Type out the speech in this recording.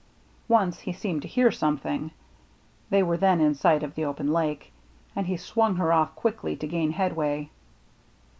Once he seemed to hear something, — they were then in sight of the open lake, — and he swung her off quickly to gain headway.